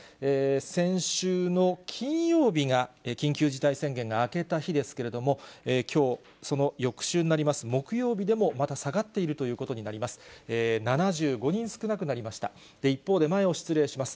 先週の金曜日が、緊急事態宣言が明けた日ですけれども、きょう、その翌週になります木曜日でも、また下がっているということになります。